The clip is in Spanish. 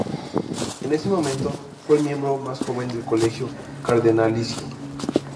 En ese momento, fue el miembro más joven del Colegio cardenalicio.